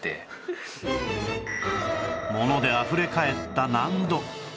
ものであふれかえった納戸